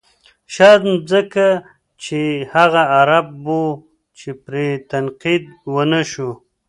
شاید ځکه چې هغه عرب و چې پرې تنقید و نه شو.